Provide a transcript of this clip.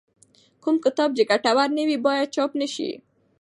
کوم کتاب چې ګټور نه وي باید چاپ نه شي.